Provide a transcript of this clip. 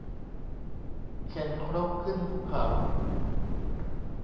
เข็นครกขึ้นภูเขา